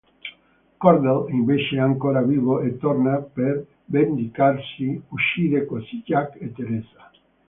Cordell invece è ancora vivo e torna per vendicarsi, uccide così Jack e Theresa.